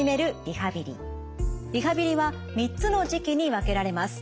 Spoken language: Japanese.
リハビリは３つの時期に分けられます。